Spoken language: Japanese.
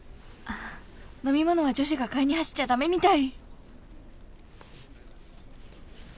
飲み物は女子が買いに走っちゃ駄目みたい